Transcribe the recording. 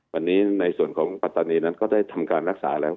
วันนี้ในส่วนของปัตตานีนั้นก็ได้ทำการรักษาแล้ว